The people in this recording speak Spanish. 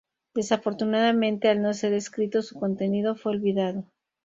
Desafortunadamente al no ser escrito su contenido fue olvidado.